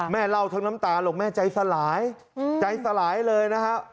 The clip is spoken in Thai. แม่เล่าทั้งน้ำตาลแม่ใจสลายใจสลายเลยนะครับ